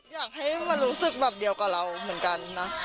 อยากให้มันรู้สึกแบบเดียวกับเราเหมือนกันนะ